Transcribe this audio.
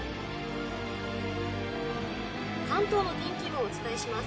関東の天気をお伝えします。